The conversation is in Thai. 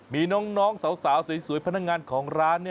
มีน้องสาวสวยพนักงานของร้าน